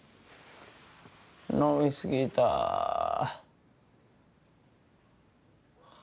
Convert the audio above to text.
飲み過ぎたぁ。